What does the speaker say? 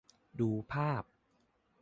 ดูภาพ